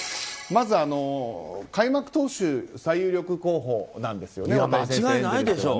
まず、開幕投手最有力候補なんですよね。